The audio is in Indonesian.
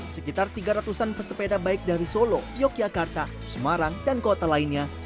sekitar tiga ratus an pesepeda baik dari solo yogyakarta semarang dan kota lainnya